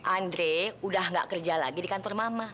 andre udah gak kerja lagi di kantor mama